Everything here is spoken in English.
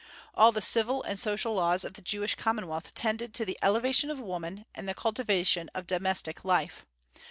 All the civil and social laws of the Jewish commonwealth tended to the elevation of woman and the cultivation of domestic life.